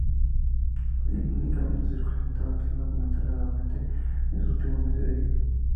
Irónicamente su circulación estaba empezando a aumentar gradualmente en sus últimos meses de vida.